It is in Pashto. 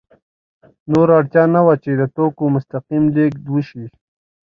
نور اړتیا نه وه چې د توکو مستقیم لېږد وشي